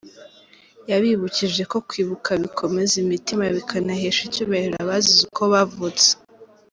Yabibukije ko kwibuka bikomeza imitima bikanahesha icyubahiro abazize uko bavutse.